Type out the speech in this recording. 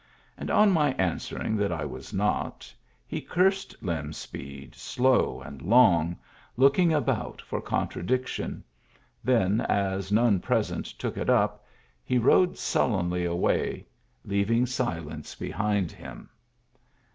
And, on my answering that I was not, he cursed Lem Speed slow and long, looking Digitized by Google THE GIFT HORSE 175 about for contradiction; then, as none present took it up, he rode sullenly away, leaving silence behind him.